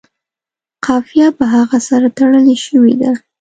قافیه په هغه سره تړلې شوې ده.